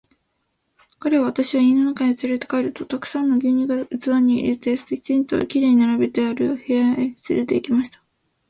彼は私を家の中へつれて帰ると、たくさんの牛乳が器に入れて、きちんと綺麗に並べてある部屋へつれて行きました。